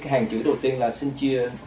hàng chữ đầu tiên là xin chia